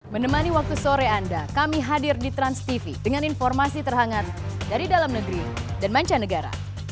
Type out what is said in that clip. menemani waktu sore anda kami hadir di transtv dengan informasi terhangat dari dalam negeri dan mancanegara